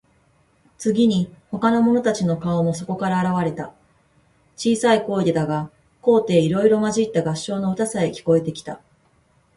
次に、ほかの者たちの顔もそこから現われた。小さい声でだが、高低いろいろまじった合唱の歌さえ、聞こえてきた。